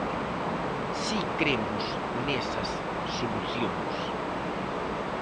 Si cremos nesas solucións.